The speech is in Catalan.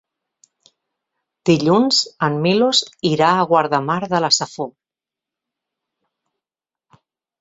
Dilluns en Milos irà a Guardamar de la Safor.